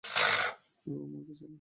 এভাবে মরতে চাই না!